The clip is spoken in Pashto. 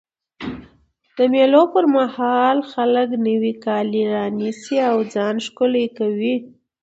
د مېلو پر مهال خلک نوی کالي رانيسي او ځان ښکلی کوي.